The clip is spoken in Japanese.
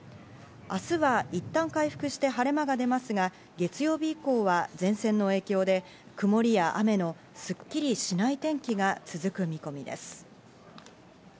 明日はいったん回復して晴れ間が出ますが、月曜日以降は前線の影響で、曇りや雨のすっきりしない天気が続く見込みです。